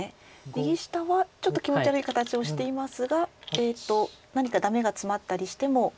右下はちょっと気持ち悪い形をしていますが何かダメがツマったりしても。